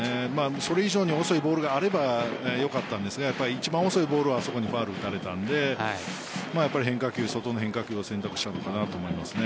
それ以上に遅いボールがあればよかったんですが一番遅いボールはあそこにファウルを打たれたので外の変化球を選択したのかなと思います。